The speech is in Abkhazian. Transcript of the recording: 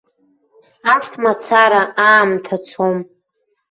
Ас мацара аамҭа цом!